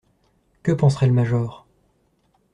Que penserait le major?